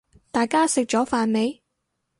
大家食咗飯未